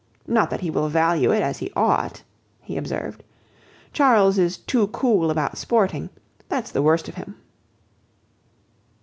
Not that he will value it as he ought," he observed, "Charles is too cool about sporting. That's the worst of him."